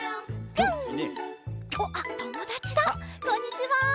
こんにちは！